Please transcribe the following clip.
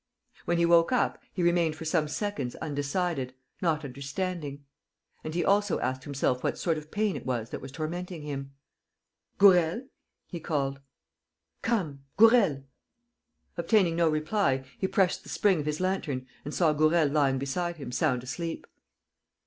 When he woke up, he remained for some seconds undecided, not understanding; and he also asked himself what sort of pain it was that was tormenting him: "Gourel!" he called. "Come! Gourel!" Obtaining no reply, he pressed the spring of his lantern and saw Gourel lying beside him, sound asleep.